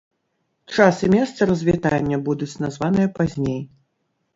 Час і месца развітання будуць названыя пазней.